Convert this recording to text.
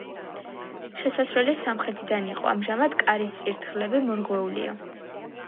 შესასვლელი სამხრეთიდან იყო, ამჟამად კარის წირთხლები მორღვეულია.